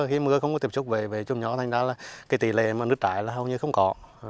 khi mưa không có tiếp xúc với trùm nhó thì tỷ lệ nứt trải hầu như không có